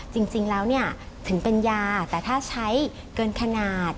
จริงแล้วเนี่ยถึงเป็นยาแต่ถ้าใช้เกินขนาด